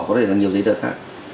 có thể là nhiều giấy tờ khác